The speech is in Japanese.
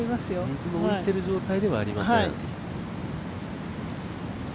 水の浮いている状態ではありません。